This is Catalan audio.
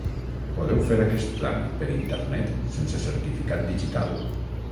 Podeu fer aquest tràmit per internet sense certificat digital.